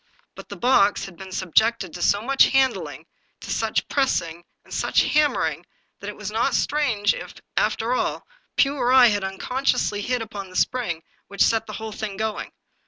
But the box had been sub jected to so much handling, to such pressing and such hammering, that it was not strange if, after all, Pugh or I had unconsciously hit upon the spring which set the whole thing going.